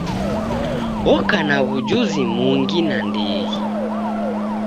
Oko na w'ujuzi mungi nandighi.